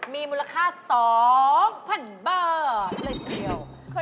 มีมูลค่า๒๐๐๐เบอร์